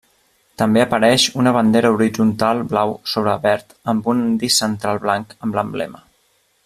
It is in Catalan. També apareix una bandera horitzontal blau sobre verd amb un disc central blanc amb l'emblema.